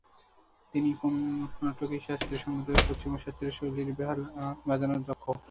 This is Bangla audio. তিনি কর্ণাটকী শাস্ত্রীয় সংগীত ও পশ্চিমী শাস্ত্রীয় শৈলীর বেহালা বাজানোয় দক্ষ।